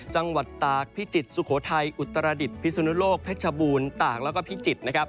จังหวัดตากพิจิตสุโคทัยอุตรดิตพิศุโนโลกพชบูรณ์ตากแล้วก็พิจิต